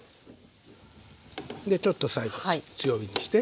でちょっと最後強火にして。